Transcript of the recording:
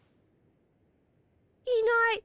いない。